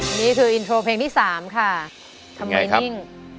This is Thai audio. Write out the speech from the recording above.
นี่คืออินโทรเพลงที่๓ค่ะทำไมนิ่ง